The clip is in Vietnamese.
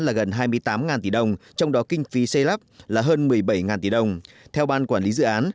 là gần hai mươi tám tỷ đồng trong đó kinh phí xây lắp là hơn một mươi bảy tỷ đồng theo ban quản lý dự án